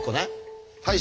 はい。